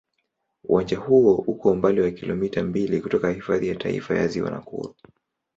Uwanja huo uko umbali wa kilomita mbili kutoka Hifadhi ya Taifa ya Ziwa Nakuru.